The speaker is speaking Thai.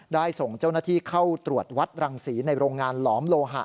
ได้ส่งเจ้าหน้าที่เข้าตรวจวัดรังศรีในโรงงานหลอมโลหะ